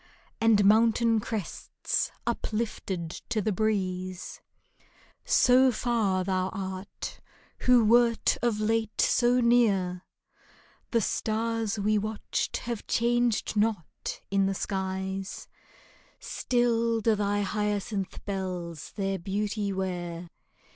And mountain crests uplifted to the breeze ! So far thou art, who wert of late so near ! The stars we watched have changed not in the skies ; Still do thy hyacinth bells their beauty wear.